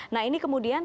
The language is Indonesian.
nah ini kemudian